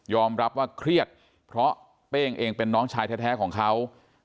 รับว่าเครียดเพราะเป้งเองเป็นน้องชายแท้ของเขา